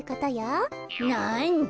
なんだ。